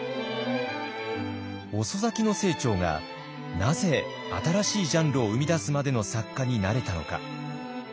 遅咲きの清張がなぜ新しいジャンルを生み出すまでの作家になれたのか。